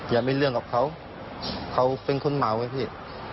อย่ามีเรื่องกับเขาเขาเป็นคนเหมาไงพี่